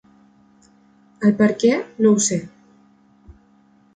El perquè, no ho sé.